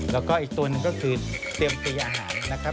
แล้วก็อีกตัวหนึ่งก็คือเตรียมตัวอาหารนะครับ